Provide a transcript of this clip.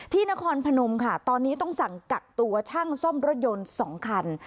นครพนมค่ะตอนนี้ต้องสั่งกักตัวช่างซ่อมรถยนต์๒คัน